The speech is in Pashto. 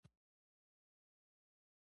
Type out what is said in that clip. بډایه هلکان د کارګرو جامې اغوندي.